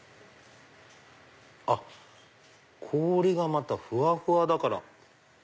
あっ氷がまたふわふわだから。